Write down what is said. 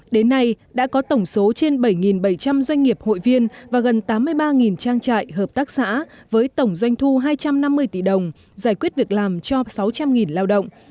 đến nay đã có tổng số trên bảy bảy trăm linh doanh nghiệp hội viên và gần tám mươi ba trang trại hợp tác xã với tổng doanh thu hai trăm năm mươi tỷ đồng giải quyết việc làm cho sáu trăm linh lao động